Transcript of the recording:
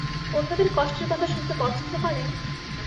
অন্যদের কষ্টের কথা শুনতে পছন্দ করেন?